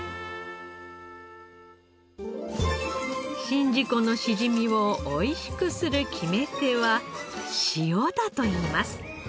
宍道湖のしじみを美味しくする決め手は塩だといいます。